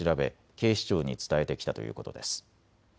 警視庁に伝えてきたということです。